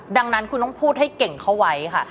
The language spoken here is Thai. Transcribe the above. ดังนั้นคุณต้องพูดให้เก่งเข้าไว้ค่ะ